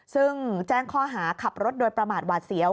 ซึ่งแจ้งข้อหาขับรถโดยประมาทหวาดเสียว